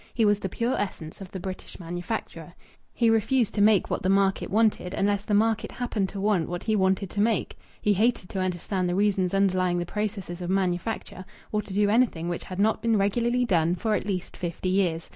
He was the pure essence of the British manufacturer. He refused to make what the market wanted, unless the market happened to want what he wanted to make. He hated to understand the reasons underlying the processes of manufacture, or to do anything which had not been regularly done for at least fifty years.